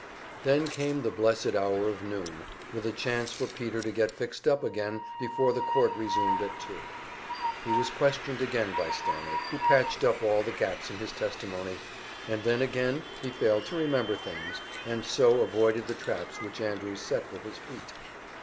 Then came the blessed hour of noon, with a chance for Peter to get fixed up again before the court resumed at two. He was questioned again by Stannard, who patched up all the gaps in his testimony, and then again he failed to remember things, and so avoided the traps which Andrews set for his feet.